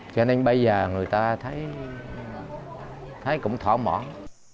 cho nên bây giờ người ta thấy cũng thỏa mỏ